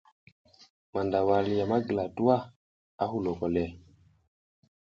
Mandawal ya ma gila tuwa, a huloko le.